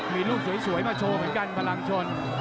มีรูปสวยมาโชว์เหมือนกันพลังชน